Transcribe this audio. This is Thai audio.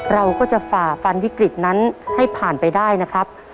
เราก็จะฝ่าฟันวิกฤตนั้นให้ผ่านไปได้นะครับ